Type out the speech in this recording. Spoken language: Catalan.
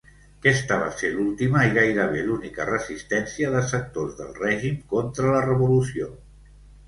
Aquesta va ser l'última i gairebé l'única resistència de sectors del règim contra la Revolució.